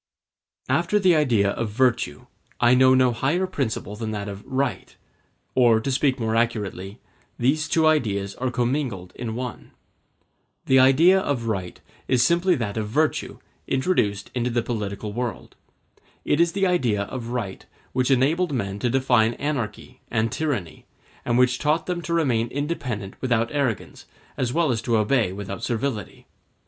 After the idea of virtue, I know no higher principle than that of right; or, to speak more accurately, these two ideas are commingled in one. The idea of right is simply that of virtue introduced into the political world. It is the idea of right which enabled men to define anarchy and tyranny; and which taught them to remain independent without arrogance, as well as to obey without servility.